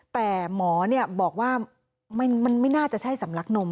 แต่หมอเนี่ยบอกว่าไม่น่าจะใช่สำลักนม